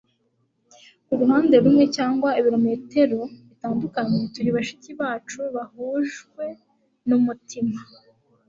kuruhande rumwe cyangwa ibirometero bitandukanye turi bashiki bacu bahujwe n'umutima